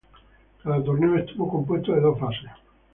Cada torneo estuvo compuesto de dos fases.